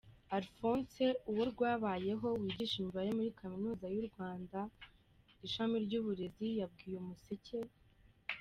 Alphonse Uworwabayeho wigisha imibare muri Kaminuza y’u Rwanda, ishami ry’uburezi yabwiye Umuseke.